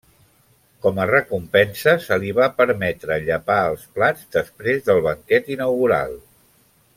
Com a recompensa, se li va permetre llepar els plats després del banquet inaugural.